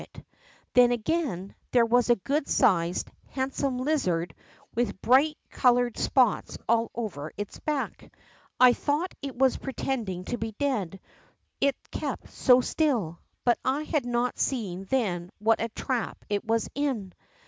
Then THE EAGLETS NEST 65 again, there was a good sized, handsome lizard with bright colored spots all over its back. I thought it was pretending to he dead, it kept so still, hut I had not seen then what a trap it was in.